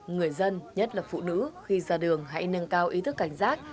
người dân nhất là phụ nữ khi ra đường hãy nâng cao ý thức cảnh giác